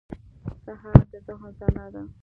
سهار د ذهن ځلا ده.